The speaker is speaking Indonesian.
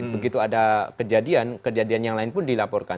begitu ada kejadian kejadian yang lain pun dilaporkan